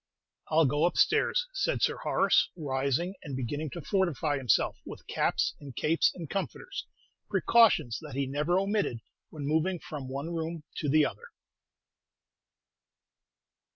"I'll go upstairs," said Sir Horace, rising, and beginning to fortify himself with caps, and capes, and comforters, precautions that he never omitted when moving from one room to the other.